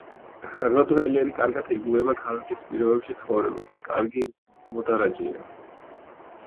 როტვეილერი კარგად ეგუება ქალაქის პირობებში ცხოვრებას, კარგი მოდარაჯეა.